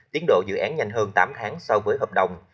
tiến độ dự án nhanh hơn tám tháng so với hợp đồng